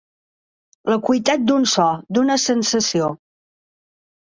L'acuïtat d'un so, d'una sensació.